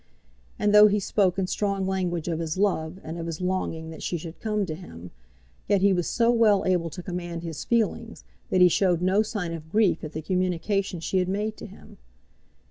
And though he spoke in strong language of his love, and of his longing that she should come to him, yet he was so well able to command his feelings, that he showed no sign of grief at the communication she had made to him.